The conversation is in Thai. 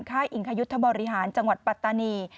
ค่ายอิงคยุทธบริหารจังหวัดปัตตานี